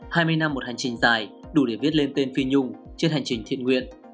hai mươi năm một hành trình dài đủ để viết lên tên phi nhung trên hành trình thiện nguyện